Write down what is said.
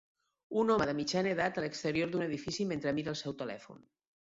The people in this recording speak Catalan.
Un home de mitjana edat a l'exterior d'un edifici mentre mira el seu telèfon.